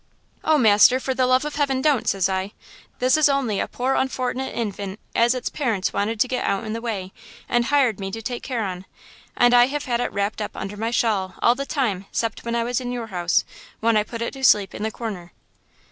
"'Oh, master, for the love of Heaven don't!' says I. 'This is only a poor unfortnet infant as its parents wanted to get outen the way, and hired me to take care on. And I have had it wrapped up under my shawl all the time 'cept when I was in your house, when I put it to sleep in the corner.'